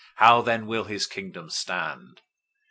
How then will his kingdom stand?